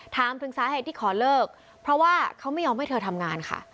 ถามถึงสาเหตุที่ขอเลิกเพราะว่าเขาไม่ยอมให้เธอทำงานค่ะ